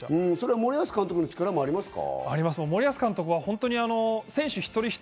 それは森保監督の力もありますか？